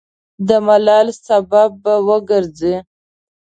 د ملال سبب به وګرځي.